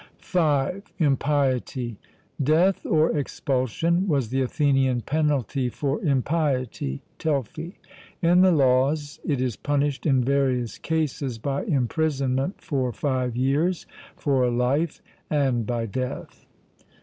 (5) Impiety. Death or expulsion was the Athenian penalty for impiety (Telfy). In the Laws it is punished in various cases by imprisonment for five years, for life, and by death.